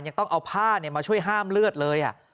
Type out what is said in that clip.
ยังต้องเอาผ้ามาช่วยห้ามเลือดเลย